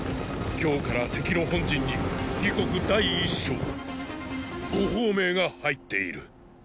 今日から敵の本陣に魏国第一将呉鳳明が入っている。